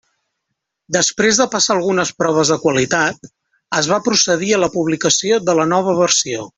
Després de passar algunes proves de qualitat, es va procedir a la publicació de la nova versió.